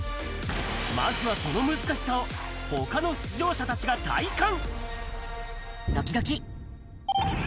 まずはその難しさを、ほかの出場者たちが体感。